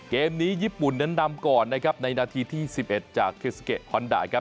เกมนี้ญี่ปุ่นนำก่อนนะครับในนาทีที่๑๑จากคิ้วสุขรีกิโฮนดา